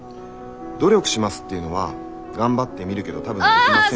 努力しますっていうのは頑張ってみるけど多分できません。